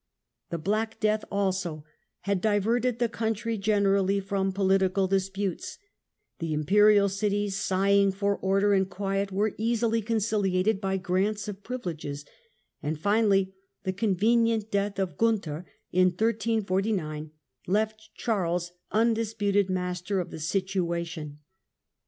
The Black Death, also, had diverted the country generally from political disputes ; the Imperial Cities, sighing for order and quiet, were easily conciH ated by grants of privileges, and finally the convenient death of Gunther in 1349 left Charles undisputed master Charles i\'. of the situation.